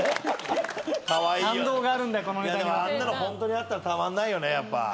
あんなのホントにあったらたまんないよねやっぱ。